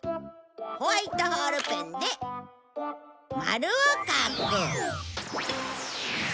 ホワイトホールペンで丸を描く。